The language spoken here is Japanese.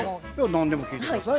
何でも聞いて下さい。